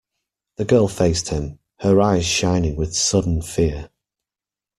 The girl faced him, her eyes shining with sudden fear.